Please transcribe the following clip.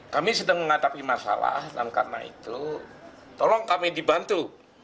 kami sedang menghadapi masalah dan karena itu tolong kami dibantu